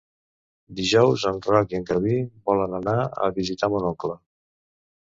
Dijous en Roc i en Garbí volen anar a visitar mon oncle.